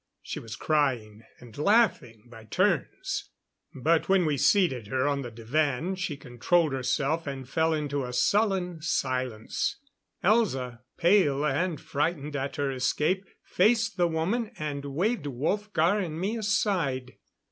She was crying and laughing by turns; but when we seated her on the divan she controlled herself and fell into a sullen silence. Elza, pale and frightened at her escape, faced the woman, and waved Wolfgar and me aside.